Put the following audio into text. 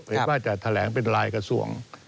เห็นว่าจะแถลงเป็นรายกระทรวง